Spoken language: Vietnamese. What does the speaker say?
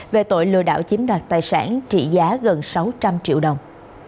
về tội lừa đảo chiếm đoạt tài sản trị giá gần sáu trăm linh triệu đồng